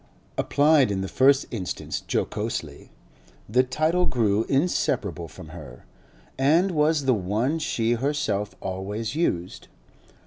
Applied in the first instance jocosely, the title grew inseparable from her, and was the one she herself always used.